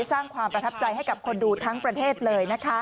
สร้างความประทับใจให้กับคนดูทั้งประเทศเลยนะคะ